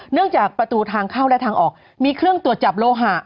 จากประตูทางเข้าและทางออกมีเครื่องตรวจจับโลหะ